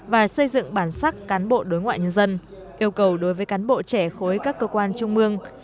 và xây dựng bản sắc cán bộ đối ngoại nhân dân yêu cầu đối với cán bộ trẻ khối các cơ quan trung mương